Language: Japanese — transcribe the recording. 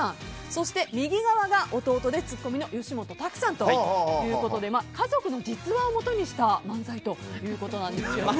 そして、右側が弟でツッコミの吉本拓さんということで家族の実話を基にした漫才ということなんですよね。